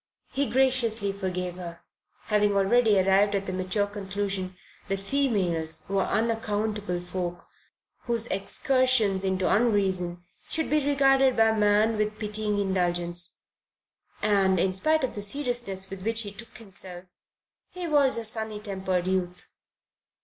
He graciously forgave her, having already arrived at the mature conclusion that females were unaccountable folk whose excursions into unreason should be regarded by man with pitying indulgence. And, in spite of the seriousness with which he took himself, he was a sunny tempered youth.